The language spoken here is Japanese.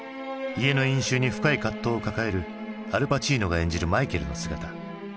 家の因習に深い葛藤を抱えるアル・パチーノが演じるマイケルの姿。